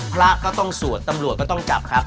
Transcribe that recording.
พระก็ต้องสวดตำรวจก็ต้องจับครับ